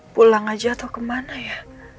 pulang aja atau kemana ya